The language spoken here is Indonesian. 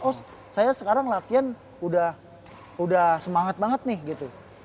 oh saya sekarang latihan udah semangat banget nih gitu